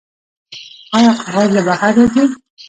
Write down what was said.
آیا کاغذ له بهر راځي؟